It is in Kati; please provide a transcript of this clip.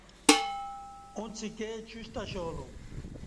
ا ݩڅ ایکے چیوشت اشالوم